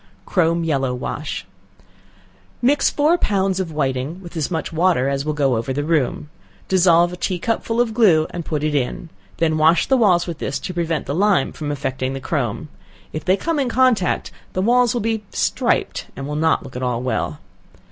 Chrome Yellow wash. Mix four pounds of whiting with as much water as will go over the room; dissolve a tea cupful of glue, and put in; then wash the walls with this to prevent the lime from affecting the chrome; if they come in contact, the walls will be striped, and will not look at all well.